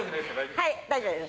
はい大丈夫です。